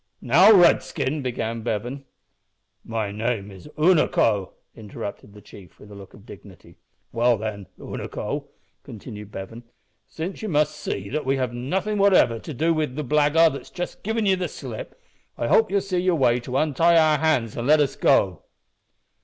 "Now, Redskin " began Bevan. "My name is Unaco," interrupted the chief, with a look of dignity. "Well, then, Unaco," continued Bevan, "since ye must see that we have nothing whatever to do wi' the blackguard that's just given ye the slip, I hope you'll see your way to untie our hands an' let us go."